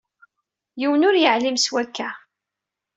Yiwen ur yeɛlim s wakka.